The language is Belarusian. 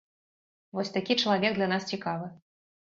Вось такі чалавек для нас цікавы.